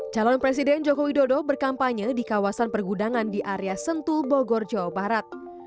calon presiden joko widodo berkampanye di kawasan pergudangan di area sentul bogor jawa barat